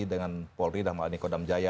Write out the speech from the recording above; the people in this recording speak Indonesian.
dengan polri dan maklumat nikodam jaya